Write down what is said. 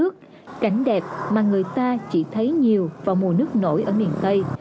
cảnh đẹp mà người ta chỉ thấy nhiều vào mùa nước nổi ở miền tây